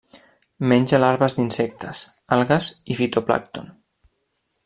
Menja larves d'insectes, algues i fitoplàncton.